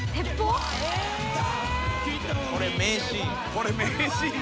これ名シーン。